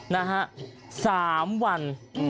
นะฮะ๓วัน